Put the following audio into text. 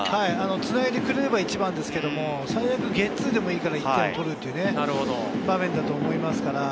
つないでくれるのが一番ですけど、ゲッツーでもいいから１点を取るという場面だと思いますから。